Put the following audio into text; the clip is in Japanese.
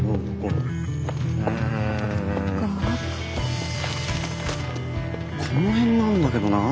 うんこの辺なんだけどなあ。